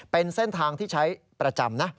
เป็นเส้นทางที่ใช้ประจำนะ